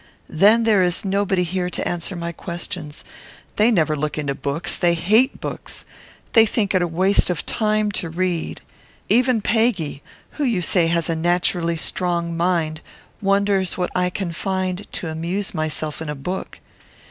Then there is nobody here to answer my questions. They never look into books. They hate books. They think it waste of time to read. Even Peggy, who you say has naturally a strong mind, wonders what I can find to amuse myself in a book.